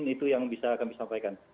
itu yang bisa kami sampaikan